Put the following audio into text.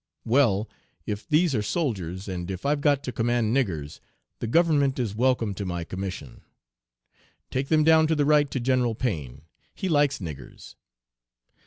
'Well, if these are soldiers, and if I've got to command niggers, the government is welcome to my commission. Take them down to the right to General Payne. He likes niggers.'